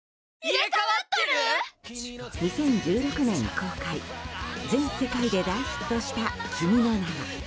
２０１６年に公開、全世界で大ヒットした「君の名は。」